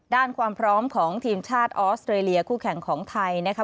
ความพร้อมของทีมชาติออสเตรเลียคู่แข่งของไทยนะคะ